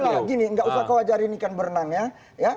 ya udah lah gini nggak usah kau ajarin ikan berenang ya